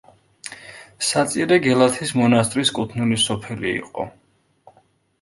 საწირე გელათის მონასტრის კუთვნილი სოფელი იყო.